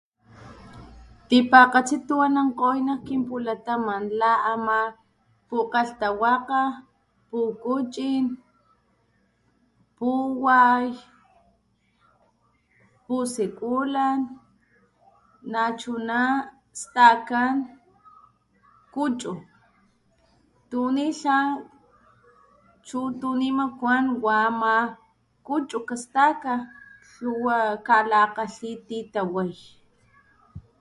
Tipakgatsi tu anakgoy nak kinpulataman, la ama pukgalhtawakga, pukuchin, puway, pusikulan nachuna stakan kuchu, tunitlan chu tu nimakuan wa ama kuchu kastaka lhuwa kalakgalhi ti taway.